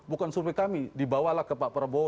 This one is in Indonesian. bukan survei kami dibawalah ke pak prabowo